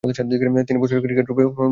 তিনি বর্ষসেরা ক্রিকেটাররূপে মনোনীত হন।